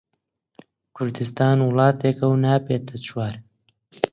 کوردستان وڵاتێکە و نابێتە چوار